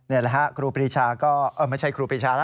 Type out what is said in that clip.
นี่แหละครับครูปริชาก็ไม่ใช่ครูปริชานะ